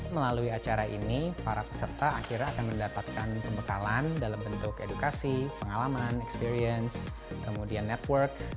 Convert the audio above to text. melalui acara ini para peserta akhirnya akan mendapatkan pembekalan dalam bentuk edukasi pengalaman experience kemudian network